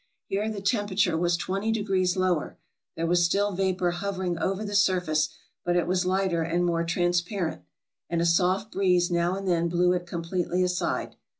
Here the temperature was twenty degrees lower; there was still vapor hovering over the surface, but it was lighter and more transparent, and a soft breeze now and then blew it completely aside.